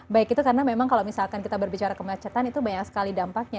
baik itu karena memang kalau misalkan kita berbicara kemacetan itu banyak sekali dampaknya